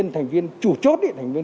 thành viên chủ chốt